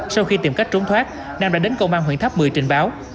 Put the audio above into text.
sau khi tìm cách trốn thoát nam đã đến công an huyện tháp mười trình báo